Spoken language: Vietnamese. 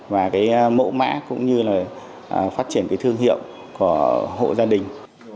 và mẫu mã cũng như phát triển thương hiệu của hộ gia đình